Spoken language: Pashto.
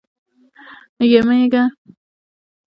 یمېږه.